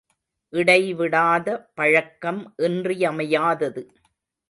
இடைவிடாத பழக்கம் இன்றியமையாதது.